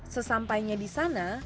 sesampainya di sana